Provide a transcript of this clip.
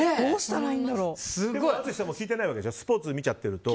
淳さんも聞いてないわけでしょスポーツ見ちゃってると。